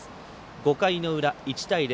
５回の裏、１対０